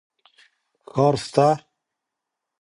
ښار سته.